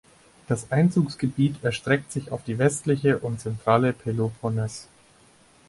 Das Einzugsgebiet erstreckt sich auf die westliche und zentrale Peloponnes.